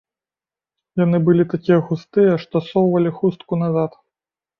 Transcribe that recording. Яны былі такія густыя, што ссоўвалі хустку назад.